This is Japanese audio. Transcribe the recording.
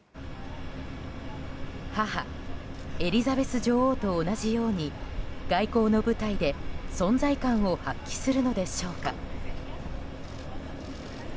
母エリザベス女王と同じように外交の舞台で存在感を発揮するのでしょうか。